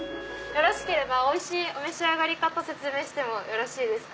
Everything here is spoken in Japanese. おいしいお召し上がり方説明してもよろしいですか。